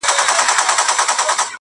نه زارۍ دي سي تر ځایه رسېدلای!.